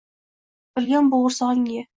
Bilgan bo'g'irsog'ingni ye!